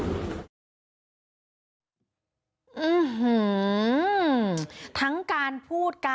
ที่อยู่กองพี่นายอยู่ก็เลย